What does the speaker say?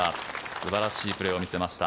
素晴らしいプレーを見せました。